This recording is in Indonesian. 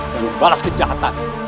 dan membalas kejahatan